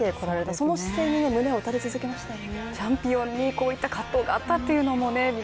その姿勢に胸を打たれ続けましたよね。